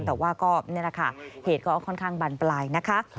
แต่ว่าเหตุก็ค่อนข้างบรรปลายนะคะ